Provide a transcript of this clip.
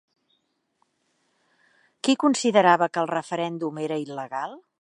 Qui considerava que el referèndum era il·legal?